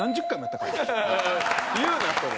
言うなそれ。